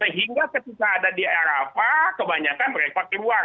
sehingga ketika ada di arafat kebanyakan mereka keluar